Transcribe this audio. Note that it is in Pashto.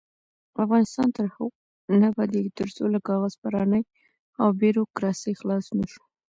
افغانستان تر هغو نه ابادیږي، ترڅو له کاغذ پرانۍ او بیروکراسۍ خلاص نشو.